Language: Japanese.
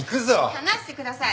離してください！